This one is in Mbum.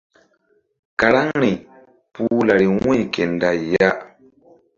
Karaŋri puh lari wu̧y ke nday ya.